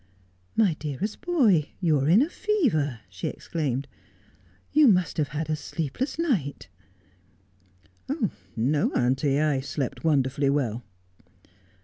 ' My dearest boy, you are in a fever,' she exclaimed. ' You must have had a sleepless night 1 '' No, auntie, I slept wonderfully well.'